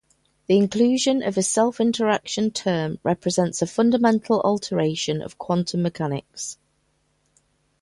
The inclusion of a self-interaction term represents a fundamental alteration of quantum mechanics.